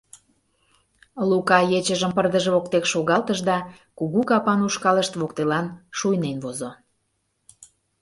Лука ечыжым пырдыж воктек шогалтыш да кугу капан ушкалышт воктелан шуйнен возо.